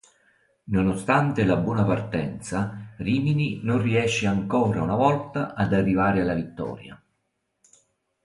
Nonostante la buona partenza Rimini non riesce ancora una volta ad arrivare alla vittoria.